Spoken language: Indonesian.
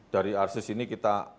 dari arsis ini kita